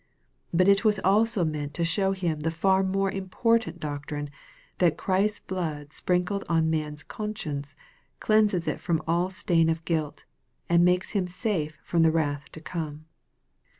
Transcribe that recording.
But it was also meant to show him the far more important doctrine that Christ's blood sprinkled on man's conscience, cleanses it from all stain of guilt, and makes him sate from the wrath to come.